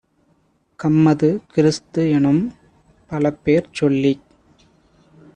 கம்மது, கிறிஸ்து-எனும் பலபேர் சொல்லிச்